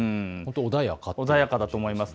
穏やかだと思います。